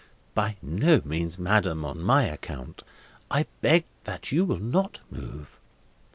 "By no means, madam, on my account. I beg that you will not move."